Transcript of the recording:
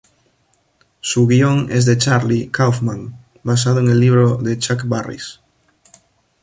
Su guion es de Charlie Kaufman basado en el libro de Chuck Barris.